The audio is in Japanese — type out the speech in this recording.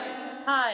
はい